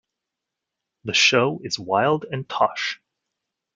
The show is Wilde and Tausch.